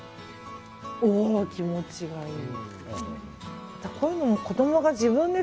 気持ちがいい。